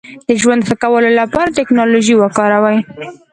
د ژوند ښه کولو لپاره ټکنالوژي وکاروئ.